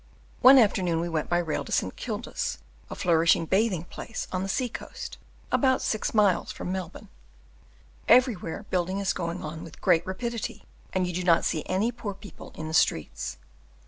One afternoon we went by rail to St. Kilda's, a flourishing bathing place on the sea coast, about six miles from Melbourne. Everywhere building is going on with great rapidity, and you do not see any poor people in the streets.